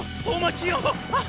おお待ちを！